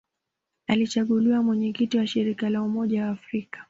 Alichaguliwa Mwenyekiti wa Shirika la Umoja wa Afrika